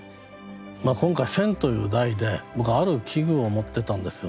今回「千」という題で僕ある危惧を持ってたんですよね。